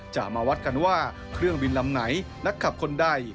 จะมาวัดกันว่าเครื่องบินลำไหนนักขับคนใด